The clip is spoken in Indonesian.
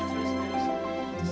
aku juga mau